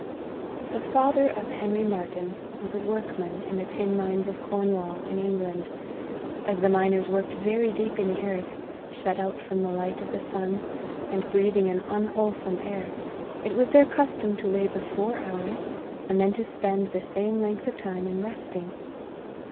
THE father of Henry Martyn was a workman in the tin mines of Cornwall, in England. As the miners worked very deep in the earth, shut out from the light of the sun, and breathing an unwholesome air, it was their custom to labour four hours, and then to spend the same length of time in resting.